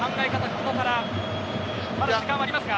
ここから、まだ時間はありますが。